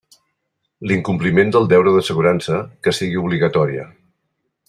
L'incompliment del deure d'assegurança, que sigui obligatòria.